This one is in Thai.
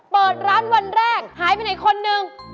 เปิดร้านวันแรกหายไปไหนคนนึง